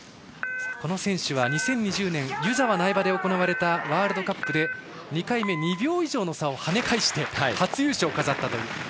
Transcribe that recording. この選手は２０２０年湯沢・苗場で行われたワールドカップで２回目２秒以上の差を跳ね返して初優勝を飾ったという。